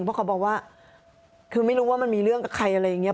เพราะเขาบอกว่าคือไม่รู้ว่ามันมีเรื่องกับใครอะไรอย่างนี้